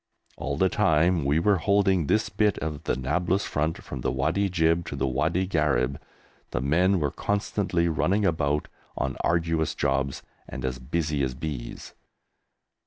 All the time we were holding this bit of the Nablus front, from the Wadi Jib to the Wadi Gharib, the men were constantly running about on arduous jobs and as busy as bees.